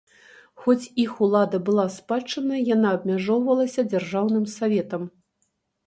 Хоць іх улада была спадчыннай, яна абмяжоўвалася дзяржаўным саветам.